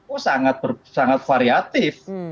oh sangat variatif